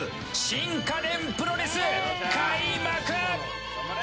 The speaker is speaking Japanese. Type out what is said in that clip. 新家電プロレス、開幕！